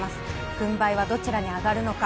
軍配はどちらに上がるのか？